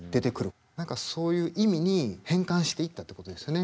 何かそういう意味に変換していったってことですよね